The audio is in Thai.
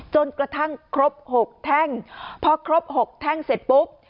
จนกระทั่งครบ๖แท่งพอครบ๖แท่งเสร็จปุ๊บ